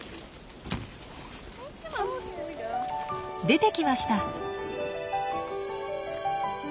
出てきました。